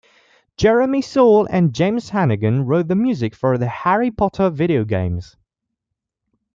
Jeremy Soule and James Hannigan wrote the music for the "Harry Potter" video games.